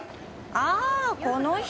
ああこの人。